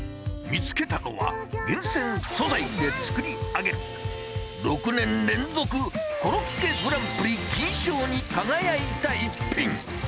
見つけたのは、厳選素材で作り上げ、６年連続コロッケグランプリ金賞に輝いた逸品。